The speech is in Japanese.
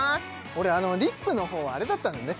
俺あのリップの方あれだったんだね